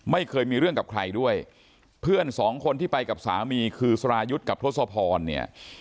ไม่เคยมีเรื่องกับใครด้วยเพื่อนสองคนที่ไปกับสามีคือสรายุทธ์กับทศพรเนี่ย